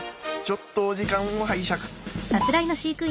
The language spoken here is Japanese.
ちょっとお時間を拝借。